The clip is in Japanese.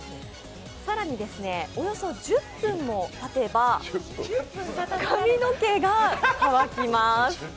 更におよそ１０分たてば髪の毛がかわきます。